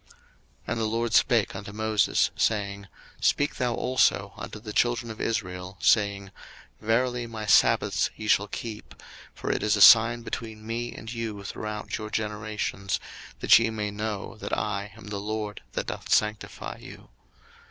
02:031:012 And the LORD spake unto Moses, saying, 02:031:013 Speak thou also unto the children of Israel, saying, Verily my sabbaths ye shall keep: for it is a sign between me and you throughout your generations; that ye may know that I am the LORD that doth sanctify you.